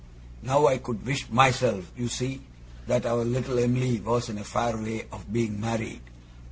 Now I could wish myself, you see, that our little Em'ly was in a fair way of being married.